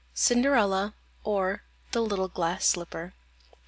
CINDERELLA OR, The Little Glass Slipper.